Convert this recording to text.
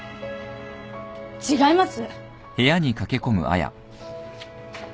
違います。